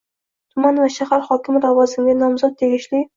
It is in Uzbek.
Tuman va shahar hokimi lavozimiga nomzod tegishli